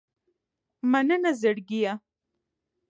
مننه زړګیه